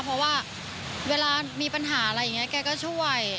เพราะว่าเวลามีปัญหาอะไรอย่างนี้แกก็ช่วย